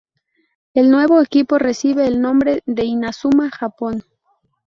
El nuevo equipo recibe el nombre de Inazuma Japón.